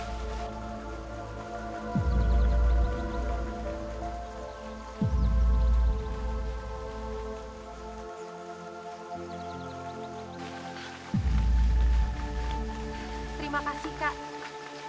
terima kasih kak